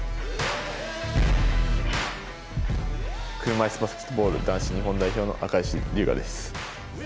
車いすバスケットボール男子日本代表の赤石竜我です。